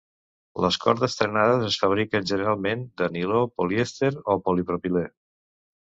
Les cordes trenades es fabriquen, generalment, de niló, polièster o polipropilè.